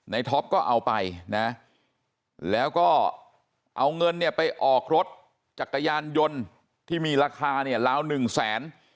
ท็อปก็เอาไปนะแล้วก็เอาเงินเนี่ยไปออกรถจักรยานยนต์ที่มีราคาเนี่ยราวหนึ่งแสน